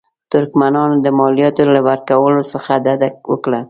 ترکمنانو د مالیاتو له ورکولو څخه ډډه وکړه.